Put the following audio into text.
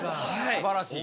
すばらしい。